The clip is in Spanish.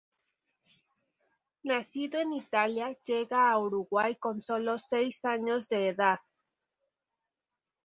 Nacido en Italia, llega a Uruguay con sólo seis años de edad.